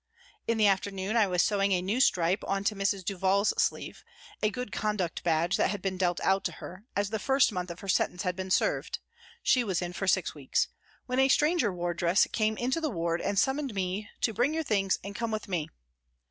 In the afternoon I was sewing a new stripe on to Mrs. Duval's sleeve, a good conduct badge that had been dealt out to her, as the first month of her sentence had been served (she was in for six weeks), when a stranger wardress came into the ward and summoned me to " bring your things and come with me."